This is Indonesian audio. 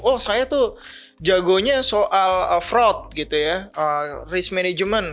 oh saya tuh jagonya soal fraud gitu ya risk management